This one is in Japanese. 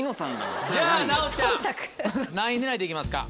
じゃあ奈央ちゃん。何位狙いで行きますか？